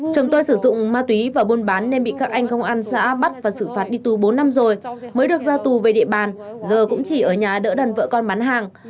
chồng tôi sử dụng ma túy và buôn bán nên bị các anh công an xã bắt và xử phạt đi tù bốn năm rồi mới được ra tù về địa bàn giờ cũng chỉ ở nhà đỡ đàn vợ con bán hàng